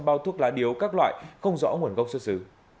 sáu năm trăm linh bao thuốc lá điếu các loại không rõ nguồn gốc xuất xử